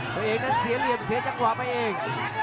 ตัวเองนั้นเสียเหลี่ยมเสียจังหวะไปเอง